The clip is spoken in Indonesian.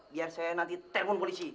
biar saya nanti telpon polisi